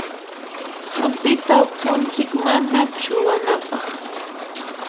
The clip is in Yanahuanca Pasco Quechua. hampita upuntsik mana chuqanapaq.